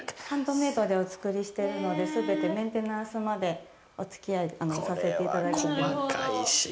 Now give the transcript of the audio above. ハンドメードでお作りしてるので全てメンテナンスまでお付き合いさせていただいてます。